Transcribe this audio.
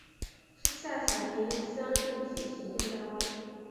是下辖的一个乡镇级行政单位。